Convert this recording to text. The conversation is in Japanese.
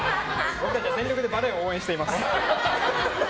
僕たちは全力でバレーを応援しています。